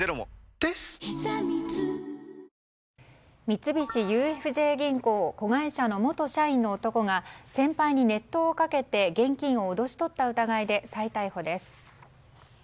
三菱ＵＦＪ銀行子会社の元社員の男が先輩に熱湯をかけて現金を脅し取った疑いで再逮捕です。